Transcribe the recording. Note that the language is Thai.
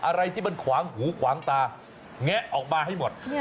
อะไรที่มันขวางหูขวางตาแงะออกมาให้หมด